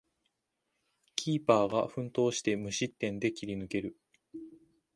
キーパーが奮闘して無失点で切り抜ける